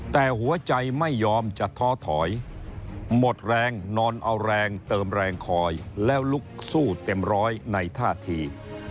แต่หัวใจไม่ยอมจะท้อถอยหมดแรงนอนเอาแรงเติมแรงคอยแล้วลุกสู้เต็มร้อยในท่าที